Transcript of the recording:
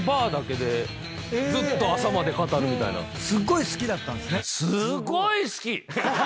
すっごい好きだったんですね。